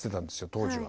当時は。